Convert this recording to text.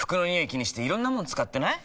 気にしていろんなもの使ってない？